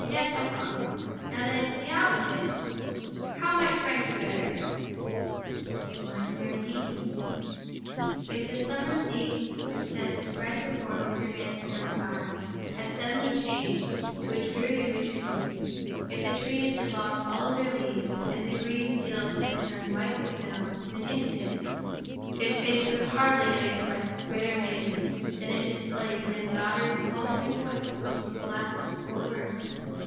Yes: I promise. Now, then, out with it! How might Frank do better?" "He might marry Me." If the summer scene which then spread before Mr. Vanstone's eyes had suddenly changed to a dreary winter view—if the trees had lost all their leaves, and the green fields had turned white with snow in an instant—his face could hardly have expressed greater amazement than it displayed when his daughter's faltering voice spoke those four last words.